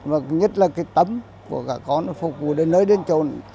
và nhất là cái tấm của các con phục vụ đến nơi đến chỗ